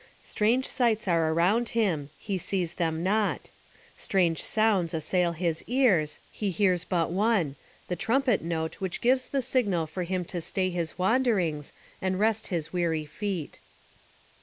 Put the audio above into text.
Strange sights are around him, he sees them not; strange sounds assail his ears, he hears but one the trumpet note which gives the signal for him to stay his wanderings and rest his weary feet.